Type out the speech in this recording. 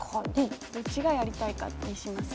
どっちがやりたいかにします？